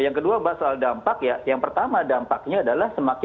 yang kedua bahas soal dampak ya